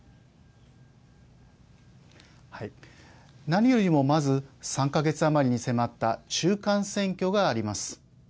何よりもまず３か月余りに迫った中間選挙があります。